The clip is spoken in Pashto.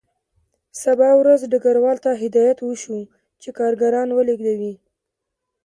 سبا ورځ ډګروال ته هدایت وشو چې کارګران ولېږدوي